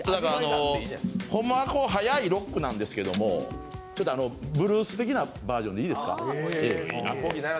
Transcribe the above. ホンマは速いロックなんですけどブルース的なバージョンでいいですか？